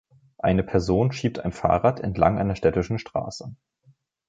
Eine Person schiebt ein Fahrrad entlang einer städtischen Straße.